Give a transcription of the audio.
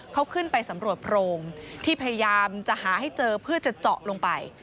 เขาขึ้นไปสำรวจโพรงที่พยายามจะหาให้เจอเพื่อจะเจาะลงไป